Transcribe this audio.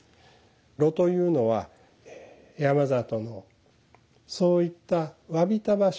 炉というのは山里のそういった侘びた場所